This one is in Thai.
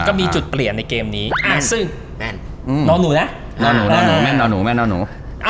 ก็มีจุดเปลี่ยนในเกมนี้อ่าซึ่งนี่เนอะหนูเนอะเนอนหนูแม่นนู